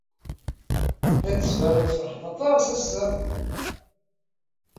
La d-tettbaneḍ tfeṛḥeḍ aṭas ass-a.